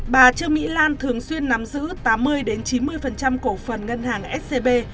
bà trương mỹ lan thường xuyên nắm giữ tám mươi chín mươi cổ phần ngân hàng scb